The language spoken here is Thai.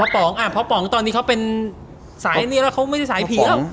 พ่อป๋องตอนนี้เขาเป็นสายนี้แล้วเขาไม่ใช่สายผีครับ